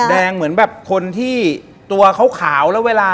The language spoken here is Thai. โอเคแดงเหมือนคนที่ตัวขาวเวลา